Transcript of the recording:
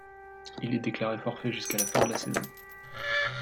Il est déclaré forfait jusqu'à la fin de la saison.